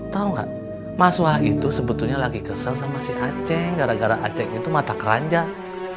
tau gak mas wah itu sebetulnya lagi kesel sama si aceh gara gara acehnya itu mata keranjang